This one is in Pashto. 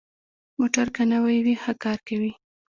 موټر که نوي وي، ښه کار کوي.